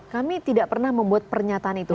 kami tidak pernah membuat pernyataan itu